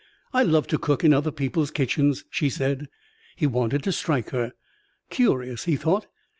"I love to cook in other people's kitchens," she said. He wanted to strike her. Curious, he thought.